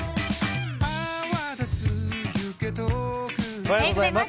おはようございます。